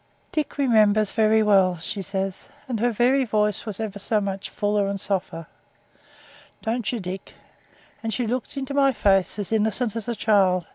'Dick remembers very well,' she says, and her very voice was ever so much fuller and softer, 'don't you, Dick?' and she looked into my face as innocent as a child.